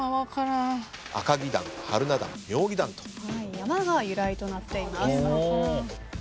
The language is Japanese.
山が由来となっています。